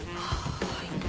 はい。